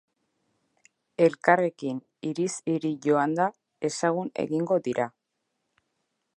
Elkarrekin, hiriz hiri joanda, ezagun egingo dira.